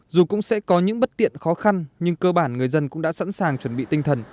dù cũng sẽ có những bất tiện khó khăn nhưng cơ bản người dân cũng đã sẵn sàng chuẩn bị tinh thần